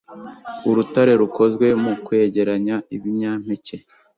Urutare rukozwe mu kwegeranya ibinyampeke